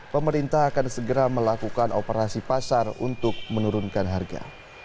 pemerintah akan segera melakukan operasi pasar untuk menurunkan harga